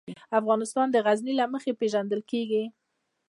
افغانستان د غزني له مخې پېژندل کېږي.